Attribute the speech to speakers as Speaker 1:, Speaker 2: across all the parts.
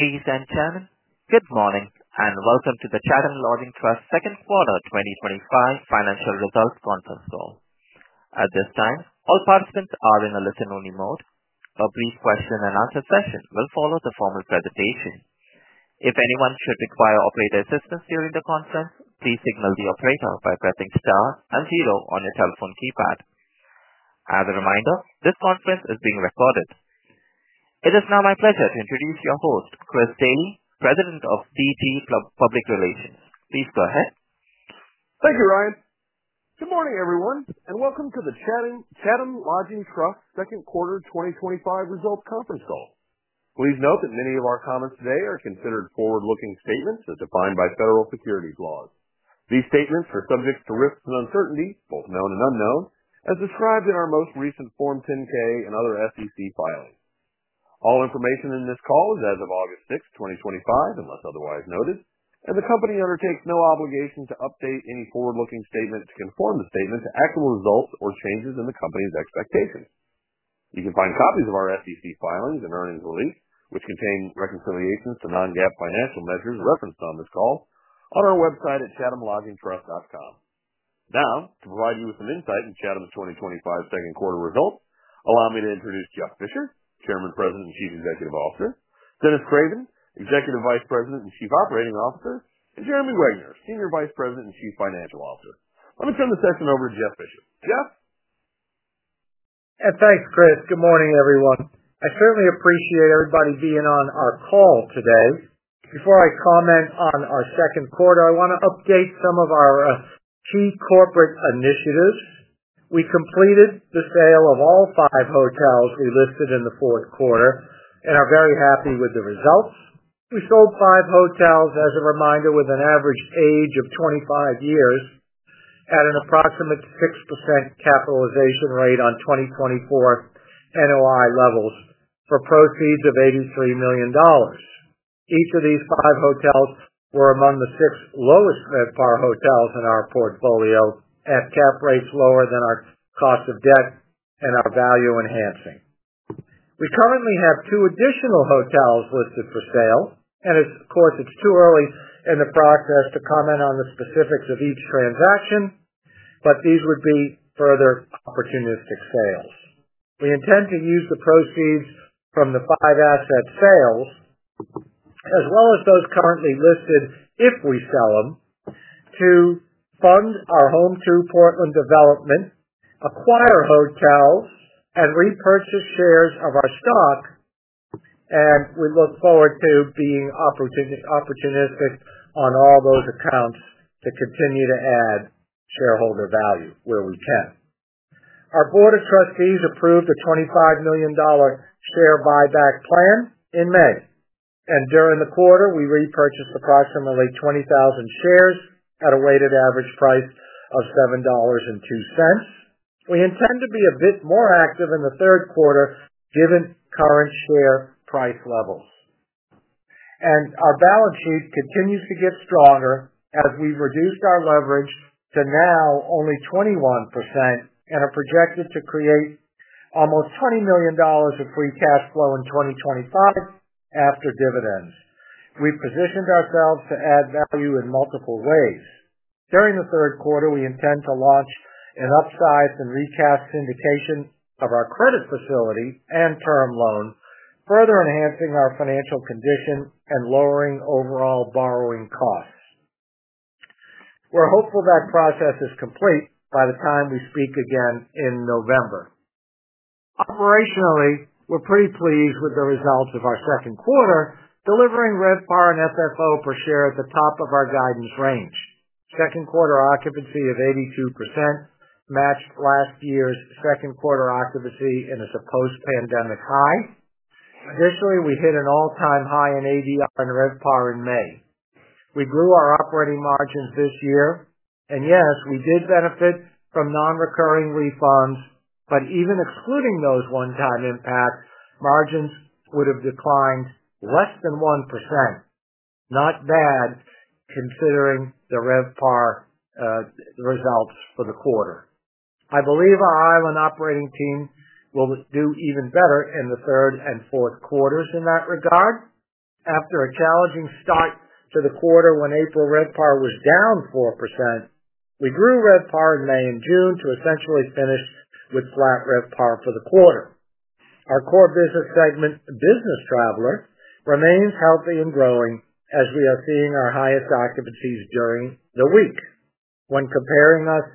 Speaker 1: Ladies and gentlemen, good morning and welcome to the Chatham Lodging Trust second quarter 2025 financial results conference call. At this time, all participants are in a listen-only mode. A brief question and answer session will follow the formal presentation. If anyone should require operator assistance during the conference, please signal the operator by pressing star and zero on your telephone keypad. As a reminder, this conference is being recorded. It is now my pleasure to introduce your host, Chris Daly, President of DG Public Relations. Please go ahead.
Speaker 2: Thank you, Ryan. Good morning, everyone, and welcome to the Chatham Lodging Trust second quarter 2025 results conference call. Please note that many of our comments today are considered forward-looking statements as defined by federal securities laws. These statements are subject to risks and uncertainty, both known and unknown, as described in our most recent Form 10-K and other SEC filings. All information in this call is as of August 6, 2025, unless otherwise noted, and the company undertakes no obligation to update any forward-looking statement to conform the statement to actual results or changes in the company's expectations. You can find copies of our SEC filings and earnings release, which contain reconciliations to non-GAAP financial measures referenced on this call, on our website at chathamlodgingtrust.com. Now, to provide you with an insight into Chatham's 2025 second quarter results, allow me to introduce Jeff Fisher, Chairman, President, and Chief Executive Officer; Dennis Craven, Executive Vice President and Chief Operating Officer; and Jeremy Wegner, Senior Vice President and Chief Financial Officer. Let me turn the session over to Jeff Fisher. Jeff?
Speaker 3: Yeah, thanks, Chris. Good morning, everyone. I certainly appreciate everybody being on our call today. Before I comment on our second quarter, I want to update some of our key corporate initiatives. We completed the sale of all five hotels listed in the fourth quarter and are very happy with the results. We sold five hotels, as a reminder, with an average age of 25 years at an approximate 6% capitalization rate on 2024 NOI levels for proceeds of $83 million. Each of these five hotels were among the six lowest-net-par hotels in our portfolio at cap rates lower than our cost of debt and are value enhancing. We currently have two additional hotels listed for sale, and of course, it's too early in the process to comment on the specifics of each transaction, but these would be further opportunistic sales. We intend to use the proceeds from the five asset sales, as well as those currently listed if we sell them, to fund our Home2 Suites Portland development, acquire a hotel, and repurchase shares of our stock. We look forward to being opportunistic on all those accounts to continue to add shareholder value where we can. Our Board of Trustees approved a $25 million share buyback plan in May, and during the quarter, we repurchased approximately 20,000 shares at a weighted average price of $7.02. We intend to be a bit more active in the third quarter given current share price levels. Our balance sheet continues to get stronger as we've reduced our leverage to now only 21% and are projected to create almost $20 million of free cash flow in 2025 after dividends. We've positioned ourselves to add value in multiple ways. During the third quarter, we intend to launch an upsize and recap syndication of our credit facility and term loan, further enhancing our financial condition and lowering overall borrowing costs. We're hopeful that process is complete by the time we speak again in November. Operationally, we're pretty pleased with the results of our second quarter, delivering RevPAR and FFO per share at the top of our guidance range. Second quarter occupancy of 82% matched last year's second quarter occupancy in its post-pandemic highs. Additionally, we hit an all-time high in ADR and RevPAR in May. We grew our operating margins this year, and yes, we did benefit from non-recurring refunds, but even excluding those one-time impacts, margins would have declined less than 1%. Not bad considering the RevPAR results for the quarter. I believe our island operating team will do even better in the third and fourth quarters in that regard. After a challenging start to the quarter when April RevPAR was down 4%, we grew RevPAR in May and June to essentially finish with flat RevPAR for the quarter. Our core business segment, business travelers, remains healthy and growing as we are seeing our highest occupancies during the week. When comparing us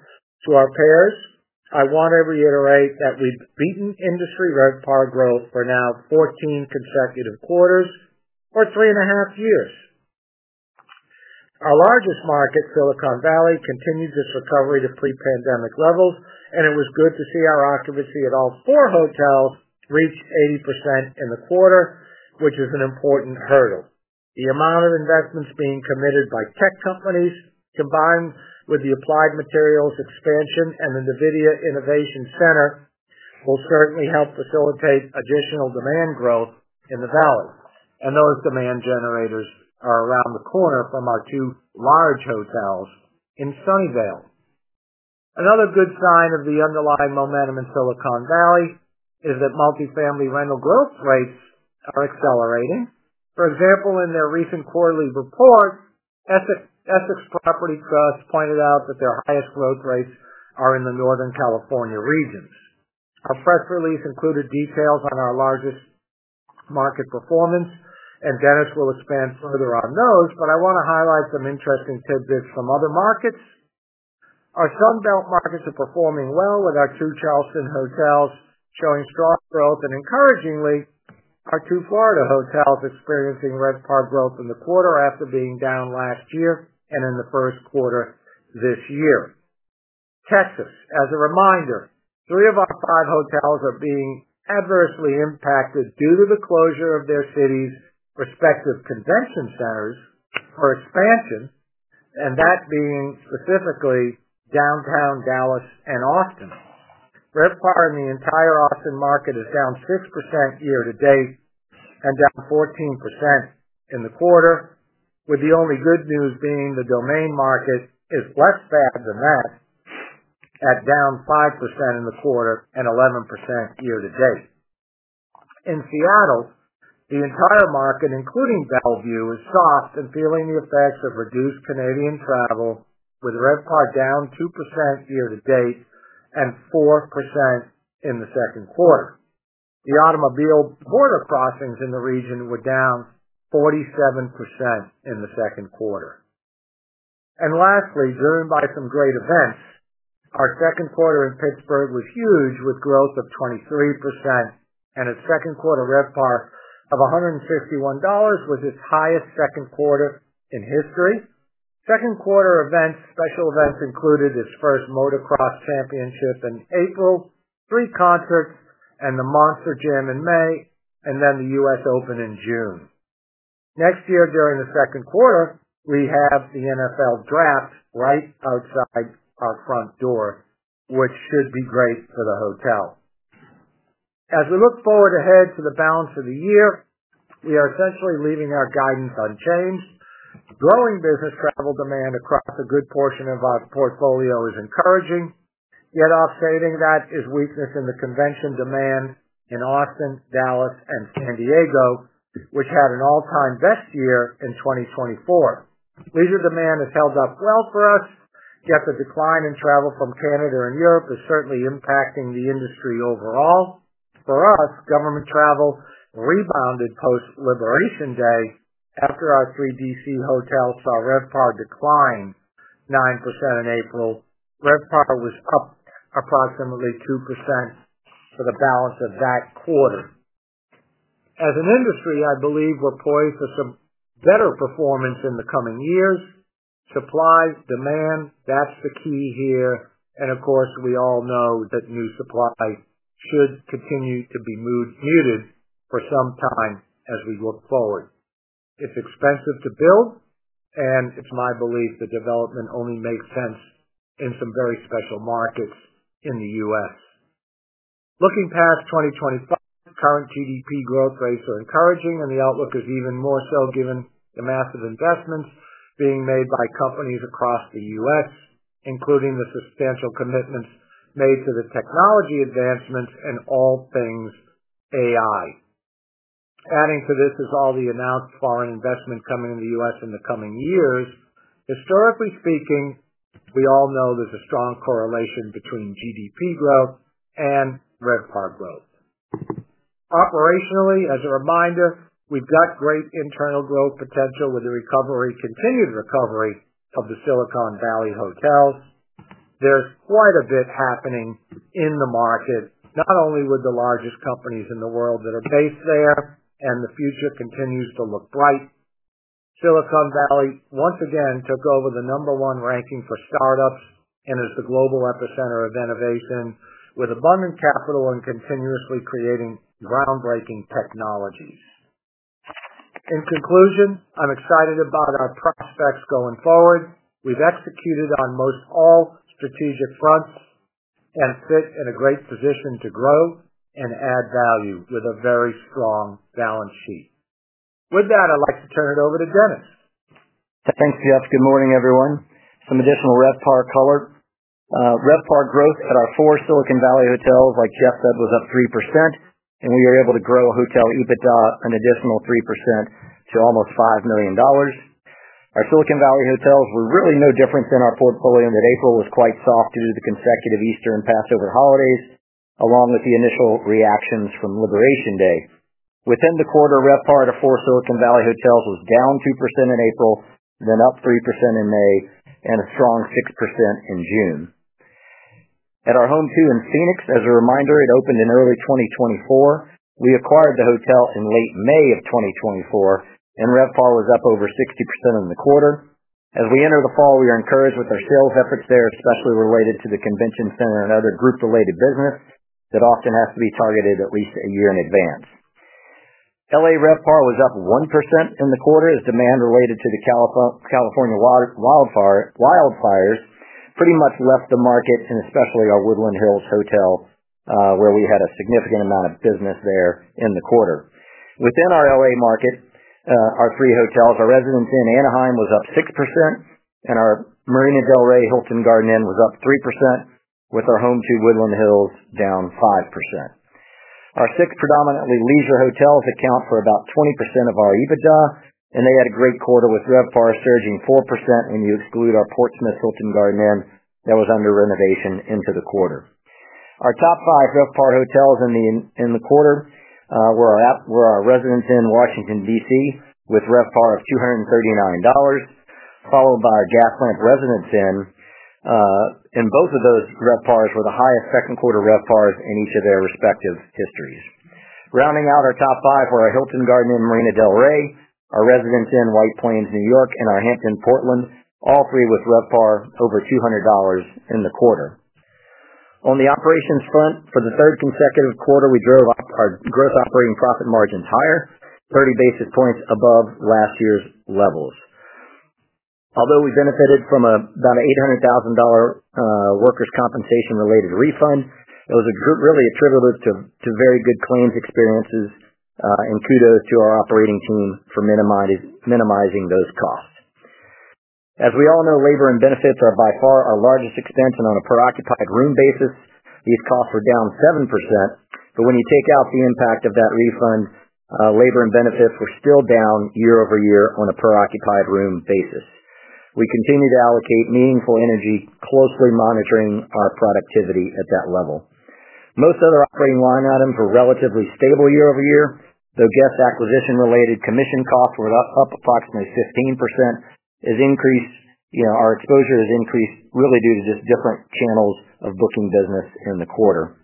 Speaker 3: to our peers, I want to reiterate that we've beaten industry RevPAR growth for now 14 consecutive quarters or three and a half years. Our largest market, Silicon Valley, continues its recovery to pre-pandemic levels, and it was good to see our occupancy at all four hotels reach 80% in the quarter, which is an important hurdle. The amount of investments being committed by tech companies, combined with the Applied Materials expansion and the NVIDIA Innovation Center, will certainly help facilitate additional demand growth in the valley. Those demand generators are around the corner from our two large hotels in Sunnyvale. Another good sign of the underlying momentum in Silicon Valley is that multifamily rental growth rates are accelerating. For example, in their recent quarterly report, Essex Property Trust pointed out that their highest growth rates are in the Northern California region. Our press release included details on our largest market performance, and Dennis will expand further on those, but I want to highlight some interesting tidbits from other markets. Our Sunbelt markets are performing well, with our two Charleston hotels showing strong growth and, encouragingly, our two Florida hotels experiencing RevPAR growth in the quarter after being down last year and in the first quarter this year. Texas, as a reminder, three of our five hotels are being adversely impacted due to the closure of their cities' respective convention centers for expansion, specifically downtown Dallas and Austin. RevPAR in the entire Austin market is down 6% year to date and down 14% in the quarter, with the only good news being the Domain market is less bad than that at down 5% in the quarter and 11% year to date. In Seattle, the entire market, including Bellevue, is soft and feeling the effects of reduced Canadian travel, with RevPAR down 2% year to date and 4% in the second quarter. The automobile border crossings in the region were down 47% in the second quarter. Lastly, driven by some great events, our second quarter in Pittsburgh was huge with growth of 23%, and its second quarter RevPAR of $151 was its highest second quarter in history. Second quarter events, special events included its first motocross championship in April, three concerts and the Monster Jam in May, and then the U.S. Open in June. Next year, during the second quarter, we have the NFL Draft right outside our front door, which should be great for the hotel. As we look forward ahead to the balance of the year, we are essentially leaving our guidance unchanged. Growing business travel demand across a good portion of our portfolio is encouraging. Yet offsetting that is weakness in the convention demand in Austin, Dallas, and San Diego, which had an all-time best year in 2024. Leisure demand has held up well for us, yet the decline in travel from Canada and Europe is certainly impacting the industry overall. For us, government travel rebounded post-Liberation Days after our three D.C. hotels saw RevPAR decline 9% in April. RevPAR was up approximately 2% for the balance of that quarter. As an industry, I believe we're poised for some better performance in the coming years. Supply, demand, that's the key here. Of course, we all know that new supply should continue to be muted for some time as we look forward. It's expensive to build, and it's my belief that development only makes sense in some very special markets in the U.S. Looking past 2026, the current GDP growth rates are encouraging, and the outlook is even more so given the massive investments being made by companies across the U.S., including the substantial commitments made to the technology advancements and all things AI. Adding to this is all the announced foreign investment coming in the U.S. in the coming years. Historically speaking, we all know there's a strong correlation between GDP growth and RevPAR growth. Operationally, as a reminder, we've got great internal growth potential with the recovery, continued recovery of the Silicon Valley hotels. There's quite a bit happening in the market, not only with the largest companies in the world that are based there, and the future continues to look bright. Silicon Valley, once again, took over the number one ranking for startups and is the global epicenter of innovation with abundant capital and continuously creating groundbreaking technology. In conclusion, I'm excited about our prospects going forward. We've executed on most all strategic fronts and sit in a great position to grow and add value with a very strong balance sheet. With that, I'd like to turn it over to Dennis.
Speaker 4: Thanks, Jeff. Good morning, everyone. Some additional RevPAR colors. RevPAR growth at our four Silicon Valley hotels, like Jeff said, was up 3%, and we were able to grow hotel EBITDA an additional 3% to almost $5 million. Our Silicon Valley hotels were really no different than our portfolio in that April was quite soft due to the consecutive Easter and Passover holidays, along with the initial reactions from Liberation Day. Within the quarter, RevPAR at our four Silicon Valley hotels was down 2% in April, then up 3% in May, and a strong 6% in June. At our Home2 Suites in Phoenix, as a reminder, it opened in early 2024. We acquired the hotel in late May of 2024, and RevPAR was up over 60% in the quarter. As we enter the fall, we are encouraged with our sales efforts there, especially related to the convention center and other group-related business that often has to be targeted at least a year in advance. LA RevPAR was up 1% in the quarter as demand related to the California wildfires pretty much left the market, and especially our Woodland Hills hotel, where we had a significant amount of business there in the quarter. Within our LA market, our three hotels, our Residence Inn Anaheim was up 6%, and our Hilton Garden Inn Marina del Rey was up 3%, with our Home2 Suites Woodland Hills down 5%. Our six predominantly leisure hotels account for about 20% of our EBITDA, and they had a great quarter with RevPAR surging 4% in use due to our Hilton Garden Inn Portsmouth that was under renovation into the quarter. Our top five RevPAR hotels in the quarter were our Residence Inn in Washington, D.C., with RevPAR of $239, followed by our Residence Inn San Diego Gaslamp, and both of those RevPARs were the highest second quarter RevPARs in each of their respective histories. Rounding out our top five were our Hilton Garden Inn Marina del Rey, our Residence Inn White Plains, New York, and our Hampton Inn Portland Maine, all three with RevPAR over $200 in the quarter. On the operations front, for the third consecutive quarter, we drove our gross operating profit margins higher, 30 basis points above last year's levels. Although we benefited from about an $800,000 workers' compensation-related refund, it was really attributable to very good claims experiences, and kudos to our operating team for minimizing those costs. As we all know, labor and benefits are by far our largest expense and on a per-occupied room basis, these costs were down 7%. When you take out the impact of that refund, labor and benefits were still down year-over-year on a per-occupied room basis. We continue to allocate meaningful energy, closely monitoring our productivity at that level. Most other operating line items were relatively stable year-over-year, though guest acquisition-related commission costs were up approximately 15%. Our exposure has increased really due to just different channels of booking business in the quarter.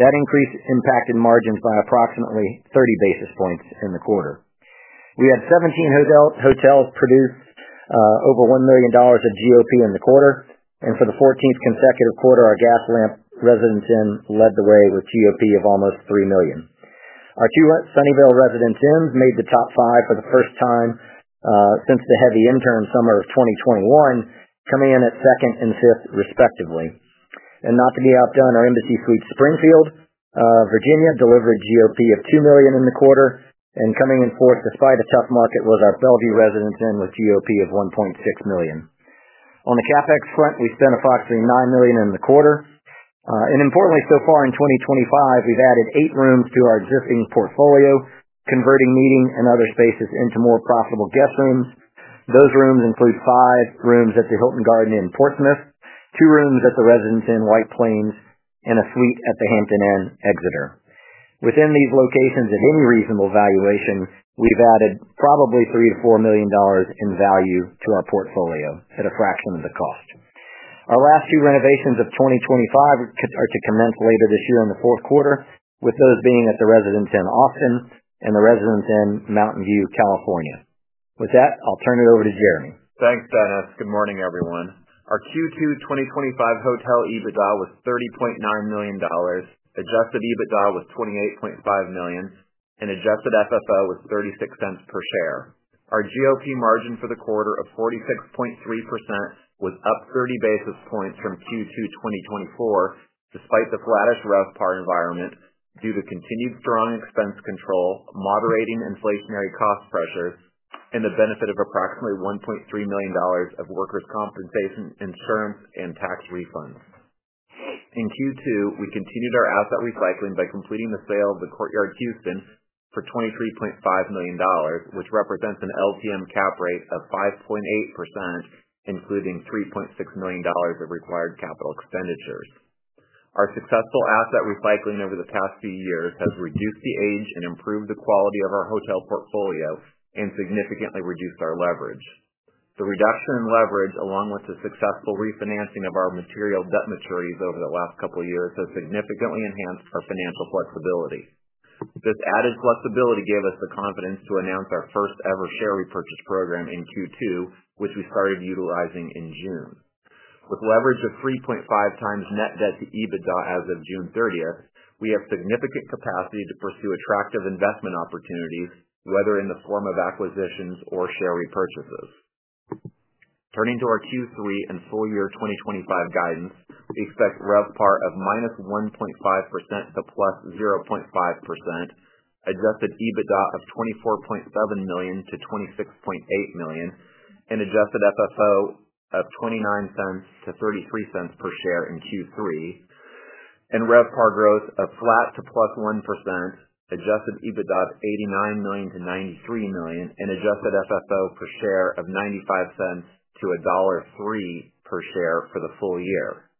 Speaker 4: That increase impacted margins by approximately 30 basis points in the quarter. We had 17 hotels produce over $1 million of GOP in the quarter, and for the 14th consecutive quarter, our Residence Inn San Diego Gaslamp led the way with GOP of almost $3 million. Our two Residence Inn Bellevue and Residence Inn Mountain View California made the top five for the first time since the heavy intern summer of 2021, coming in at second and fifth respectively. Not to be outdone, our Embassy Suites Springfield, Virginia delivered GOP of $2 million in the quarter, and coming in fourth despite a tough market was our Residence Inn Bellevue with GOP of $1.6 million. On the capital expenditures front, we spent approximately $9 million in the quarter, and importantly, so far in 2025, we've added eight rooms to our existing portfolio, converting meeting and other spaces into more profitable guest rooms. Those rooms include five rooms at the Hilton Garden Inn Portsmouth, two rooms at the Residence Inn in White Plains, and a suite at the Hampton Inn & Suites Exeter New Hampshire. Within these locations of any reasonable valuation, we've added probably $3 million-$4 million in value to our portfolio at a fraction of the cost. Our last two renovations of 2025 are to commence later this year in the fourth quarter, with those being at the Residence Inn Austin and the Residence Inn Mountain View California. With that, I'll turn it over to Jeremy.
Speaker 5: Thanks, Dennis. Good morning, everyone. Our Q2 2025 hotel EBITDA was $30.9 million, adjusted EBITDA was $28.5 million, and adjusted FFO was $0.36 per share. Our GOP margin for the quarter of 46.3% was up 30 basis points from Q2 2024, despite the flattest RevPAR environment, due to continued strong expense control, moderating inflationary cost pressures, and the benefit of approximately $1.3 million of workers' compensation insurance and tax refunds. In Q2, we continued our asset recycling by completing the sale of the Courtyard Houston for $23.5 million, which represents an LTM capitalization rate of 5.8%, including $3.6 million of required capital expenditures. Our successful asset recycling over the past few years has reduced the age and improved the quality of our hotel portfolio and significantly reduced our leverage. The reduction in leverage, along with the successful refinancing of our material debt maturities over the last couple of years, has significantly enhanced our financial flexibility. This added flexibility gave us the confidence to announce our first-ever share repurchase program in Q2, which we started utilizing in June. With leverage of 3.5x net debt to EBITDA as of June 30th, we have significant capacity to pursue attractive investment opportunities, whether in the form of acquisitions or share repurchases. Turning to our Q3 and full-year 2025 guidance, we expect RevPAR of -1.5% to +0.5%, adjusted EBITDA of $24.7 million-$26.8 million, and adjusted FFO of $0.29-$0.33 per share in Q3, and RevPAR growth of flat to +1%, adjusted EBITDA of $89 million-$93 million, and adjusted FFO per share of $0.95 to $1.03 per share for the full year.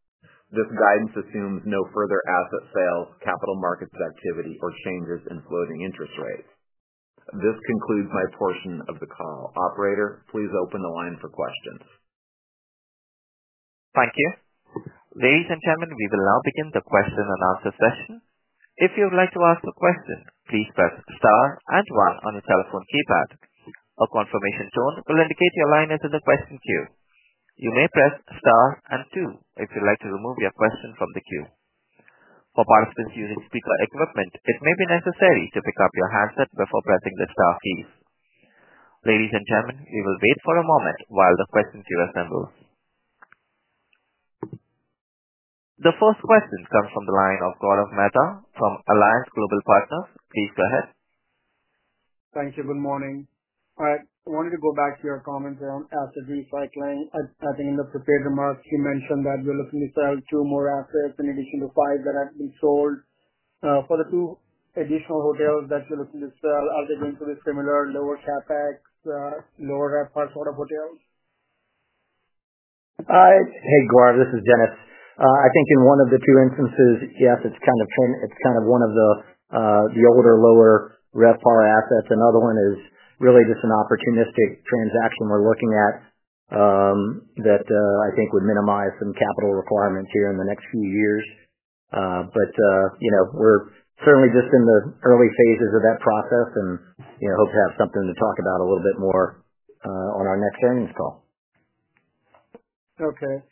Speaker 5: This guidance assumes no further asset sales, capital markets activity, or changes in floating interest rates. This concludes my portion of the call. Operator, please open the line for questions.
Speaker 1: Thank you. Ladies and gentlemen, we will now begin the question and answer session. If you would like to ask a question, please press star and one on your telephone keypad. A confirmation tone will indicate your line is in the question queue. You may press star and two if you'd like to remove your question from the queue. For participants using speaker equipment, it may be necessary to pick up your headset before pressing the star keys. Ladies and gentlemen, we will wait for a moment while the question queue assembles. The first question comes from the line of Gaurav Mehta from Alliance Global Partners. Please go ahead.
Speaker 6: Thank you. Good morning. I wanted to go back to your comments around asset recycling. I think in the prepared remarks, you mentioned that we're looking to sell two more assets in addition to five that had been sold. For the two additional hotels that you're looking to sell, are they going to be similar lower CapEx, lower RevPAR sort of hotels?
Speaker 4: Hey, Gaurav. This is Dennis. I think in one of the two instances, yes, it's kind of one of the older, lower RevPAR assets. Another one is really just an opportunistic transaction we're looking at that I think would minimize some capital requirements here in the next few years. We're certainly just in the early phases of that process and hope to have something to talk about a little bit more on our next earnings call.
Speaker 6: Okay.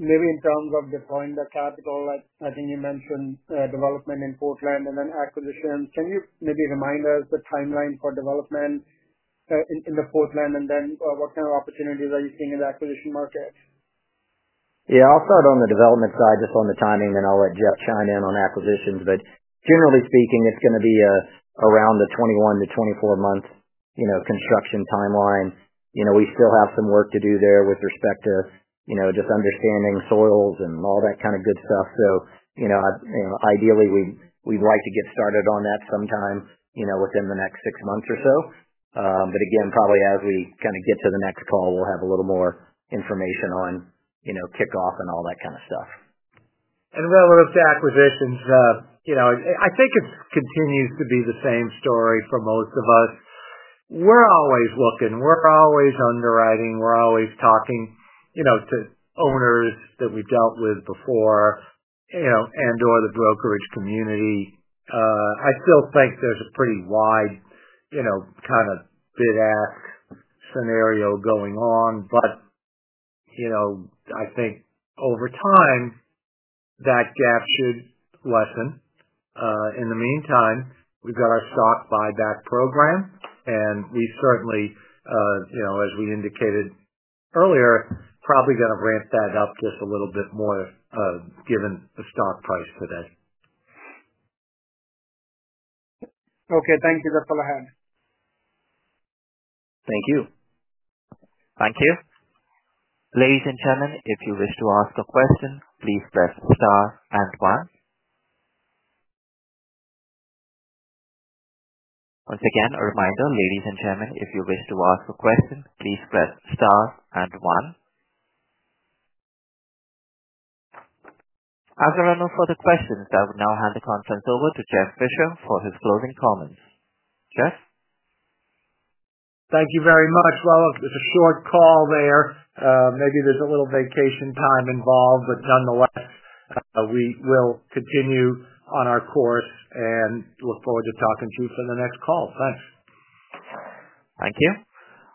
Speaker 6: In terms of the point that's at the goal, I think you mentioned development in Portland and then acquisition. Can you maybe remind us the timeline for development in Portland, and then what kind of opportunities are you seeing in the acquisition market?
Speaker 4: Yeah, I'll start on the development side, just on the timing, and I'll let Jeff chime in on acquisitions. Generally speaking, it's going to be around the 21 to 24-month construction timeline. We still have some work to do there with respect to just understanding soils and all that kind of good stuff. Ideally, we'd like to get started on that sometime within the next six months or so. Again, probably as we kind of get to the next call, we'll have a little more information on kickoff and all that kind of stuff. Relative to acquisitions, Jeff, I think it continues to be the same story for most of us. We're always looking, we're always underwriting, we're always talking to owners that we've dealt with before and/or the brokerage community. I still think there's a pretty wide bid-ask scenario going on. I think over time, that gap should lessen. In the meantime, we've got our stock buyback program, and we certainly, as we indicated earlier, are probably going to ramp that up just a little bit more, given the stock price today.
Speaker 6: Okay, thank you, Jeff. Go ahead.
Speaker 3: Thank you.
Speaker 1: Thank you. Ladies and gentlemen, if you wish to ask a question, please press star and one. Once again, a reminder, ladies and gentlemen, if you wish to ask a question, please press star and one. As there are no further questions, I would now hand the conference over to Jeff Fisher for his closing comments. Yes?
Speaker 3: Thank you very much. It was a short call. Maybe there's a little vacation time involved, but nonetheless, we will continue on our course and look forward to talking to you for the next call. Thanks.
Speaker 1: Thank you.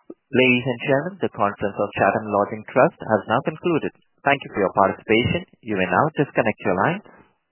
Speaker 1: Ladies and gentlemen, the conference of Chatham Lodging Trust has now concluded. Thank you for your participation. You may now disconnect your line.